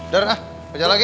ter ah baca lagi